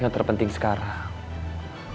yang terpenting sekarang